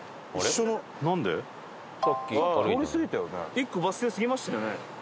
１個バス停過ぎましたよね。